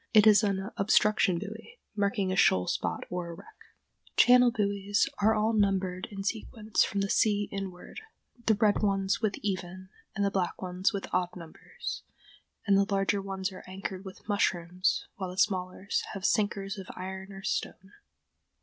It is an "obstruction" buoy marking a shoal spot or a wreck. [Illustration: OBSTRUCTION BUOY.] Channel buoys are all numbered in sequence from the sea inward, the red ones with even, and the black ones with odd numbers, and the larger ones are anchored with "mushrooms" while the smaller have "sinkers" of iron or stone.